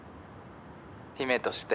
姫として。